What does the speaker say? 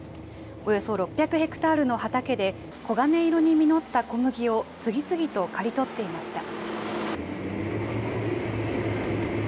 およそ６００ヘクタールの畑で、黄金色に実った小麦を次々と刈り取っていました。